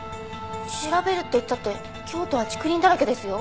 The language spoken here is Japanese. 調べるって言ったって京都は竹林だらけですよ。